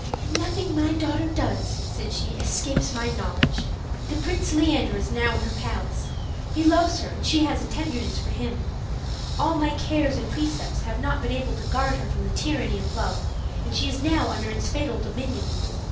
"Nothing that my daughter does," said she, "escapes my knowledge. The Prince Leander is now in her palace; he loves her, and she has a tenderness for him. All my cares and precepts have not been able to guard her from the tyranny of love, and she is now under its fatal dominion.